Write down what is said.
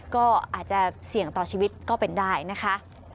ก็อาจจะเสี่ยงต่อชีวิตก็เป็นได้นะคะ